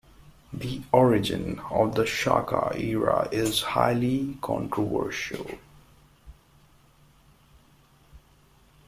The origin of the Shaka era is highly controversial.